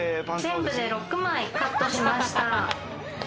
フルーツ全部で６枚カットしました。